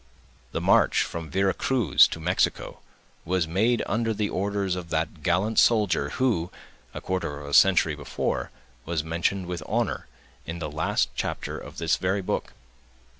The march from Vera Cruz to Mexico was made under the orders of that gallant soldier who, a quarter of a century before, was mentioned with honor, in the last chapter of this very book.